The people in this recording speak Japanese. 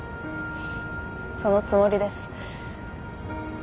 そのつもりです。